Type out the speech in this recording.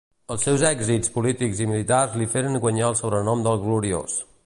Els seus èxits polítics i militars li feren guanyar el sobrenom del Gloriós.